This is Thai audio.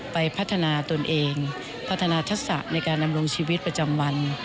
ไปพัฒนาตนเองพัฒนาทักษะในการดำรงชีวิตประจำวัน